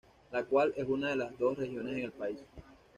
La cual es una de las dos regiones en el país.